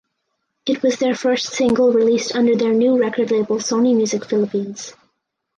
It was their first single released under their new record label Sony Music Philippines.